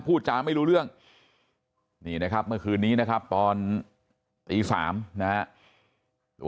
พูดจาไม่รู้เรื่องนี่นะครับเมื่อคืนนี้นะครับตอนตี๓นะครับ